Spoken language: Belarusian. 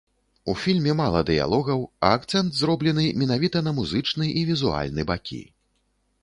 У фільме мала дыялогаў, а акцэнт зроблены менавіта на музычны і візуальны бакі.